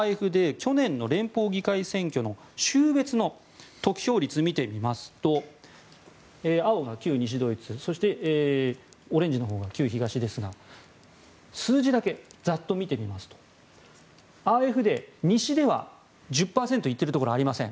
去年の連邦議会選挙の州別の得票率を見てみますと青が旧西ドイツオレンジが旧東ですが数字だけざっと見てみますとＡｆＤ、西では１０％いっているところはありません。